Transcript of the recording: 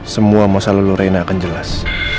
semua masalah lorena akan jelas